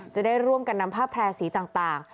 จะได้ร่วมกันนำผ้าแพร่สีต่าง